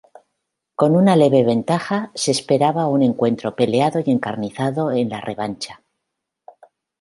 Con una leve ventaja, se esperaba un encuentro peleado y encarnizado en la revancha.